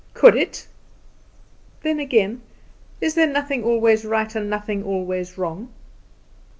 could it? Then again: Is there nothing always right, and nothing always wrong?